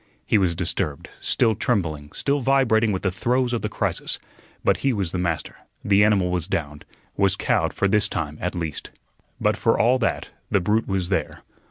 He was disturbed, still trembling, still vibrating with the throes of the crisis, but he was the master; the animal was downed, was cowed for this time, at least. But for all that, the brute was there.